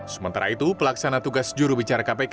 sementara itu pelaksana tugas juru bicara kpk